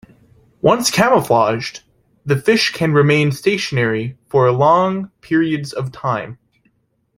Once camouflaged, the fish can remain stationary for long periods of time.